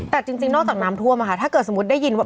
แต่จริงนอกจากน้ำท่วมอะค่ะถ้าเกิดสมมุติได้ยินว่า